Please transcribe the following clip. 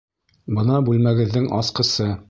Бына бүлмәгеҙҙең асҡысы